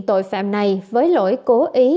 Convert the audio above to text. tội phạm này với lỗi cố ý